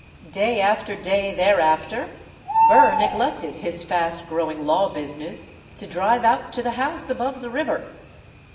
Day after day thereafter, Burr neglected his fast grow ing law business to drive out to the house above the river.